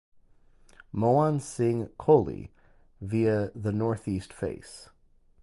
Mohan Singh Kohli via the Northeast Face.